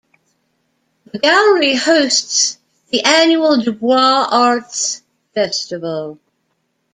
The gallery hosts the annual DuBois Arts Festival.